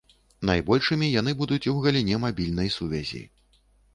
Найбольшымі яны будуць у галіне мабільнай сувязі.